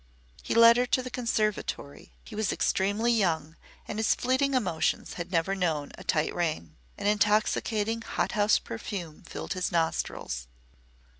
He led her to the conservatory. He was extremely young and his fleeting emotions had never known a tight rein. An intoxicating hot house perfume filled his nostrils.